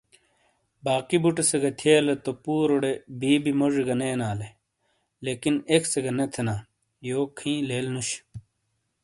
باقی بُٹے سے گہ تھئیلے تو پوروڑے بی بی موجی گہ نے اینالے،، لیکن اک سے گہ نے تھینا،، یوک ہی لیل نُش